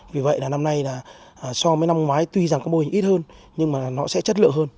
vì vậy là năm nay là so với năm ngoái tuy rằng các mô hình ít hơn nhưng mà nó sẽ chất lượng hơn